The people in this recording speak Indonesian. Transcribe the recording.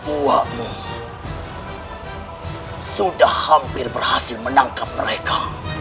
uakmu sudah hampir berhasil menangkap mereka